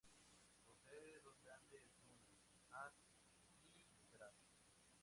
Posee dos grandes lunas, Az y Braz.